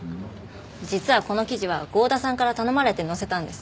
実はこの記事は郷田さんから頼まれて載せたんです。